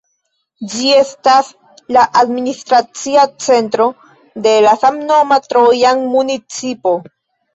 Ĝi estas la administracia centro de la samnoma Trojan Municipo.